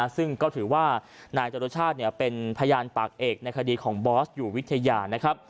ซึ่งก็ถือว่านายจรุชาติเป็นพยานปากเอกในคดีของบอสอยู่วิทยานะครับ